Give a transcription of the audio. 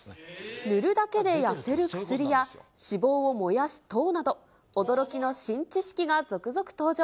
塗るだけで痩せる薬や、脂肪を燃やす糖など、驚きの新知識が続々登場。